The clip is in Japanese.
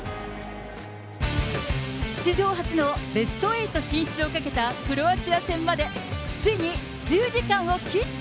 史上初のベスト８進出をかけたクロアチア戦まで、ついに１０時間を切った。